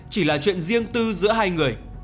chỉ là chuyện riêng tư giữa hai người